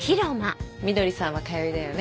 みどりさんは通いだよね。